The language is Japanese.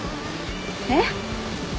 えっ？